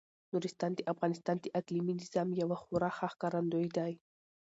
نورستان د افغانستان د اقلیمي نظام یو خورا ښه ښکارندوی دی.